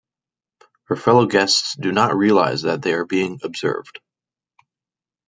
Her fellow guests do not realise that they are being observed.